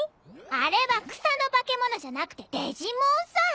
あれは草の化け物じゃなくてデジモンさ。